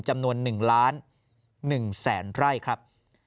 จำนวน๑๑๐๐๐๐๐ไร่ครับ